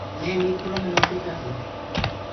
مینٚ ميٚرپرو مي نوڪريٚ ڪردوٚنٚ۔